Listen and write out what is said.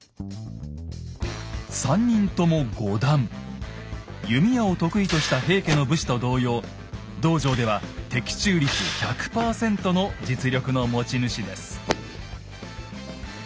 ３人とも五段弓矢を得意とした平家の武士と同様道場では的中率１００％の実力の持ち主です。